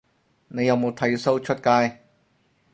你有冇剃鬚出街